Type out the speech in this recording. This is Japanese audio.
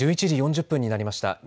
１１時４０分になりました。